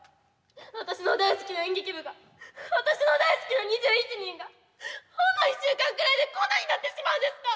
私の大好きな演劇部が私の大好きな２１人がほんの１週間ぐらいでこんなになってしまうんですか！？